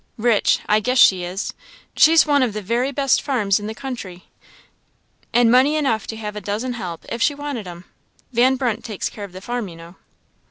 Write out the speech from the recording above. "Rich! I guess she is! she's one of the very best farms in the country, and money enough to have a dozen help, if she wanted 'em. Van Brunt takes care of the farm, you know?"